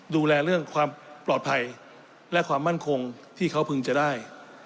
ดูแลเรื่องความปลอดภัยและความมั่นคงที่เขาพึงจะได้